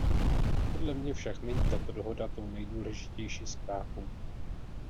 Podle mne však není tato dohoda tou nejdůležitější zprávou.